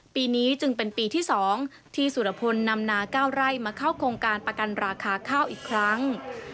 ปีนี้จึงเป็นปีที่๒ที่สุรพลนำนา๙ไร่มาเข้าโครงการประกันราคาข้าวอีกครั้ง